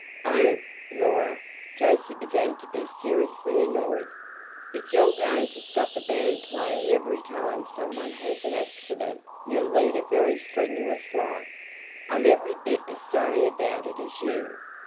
"Oh, Laura!" Jose began to be seriously annoyed. "If you're going to stop a band playing every time some one has an accident, you'll lead a very strenuous life. I'm every bit as sorry about it as you.